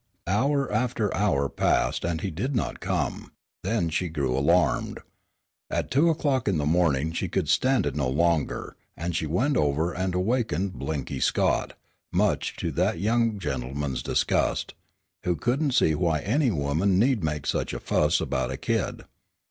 Hour after hour passed and he did not come; then she grew alarmed. At two o'clock in the morning she could stand it no longer and she went over and awakened Blinky Scott, much to that young gentleman's disgust, who couldn't see why any woman need make such a fuss about a kid.